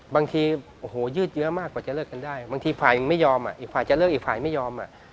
บางทีโอ้โหยืดเยอะมากกว่าจะเลิกกันได้บางทีฝ่ายยังไม่ยอมอ่ะอีกฝ่ายจะเลิกอีกฝ่ายไม่ยอม